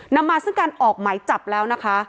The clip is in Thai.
นำมาซึ่งการออกหมายจับแล้วนะคะ